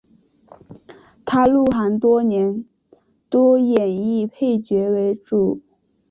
他入行多年多演绎配角为主。